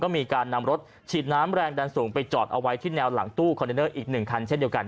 มีการนำรถฉีดน้ำแรงดันสูงไปจอดเอาไว้ที่แนวหลังตู้คอนเทนเนอร์อีก๑คันเช่นเดียวกัน